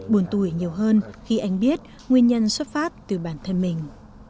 buồn tuổi nhiều hơn khi anh biết nguyên nhân xuất phát từ bản thân mình